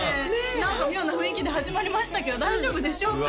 何か妙な雰囲気で始まりましたけど大丈夫でしょうか？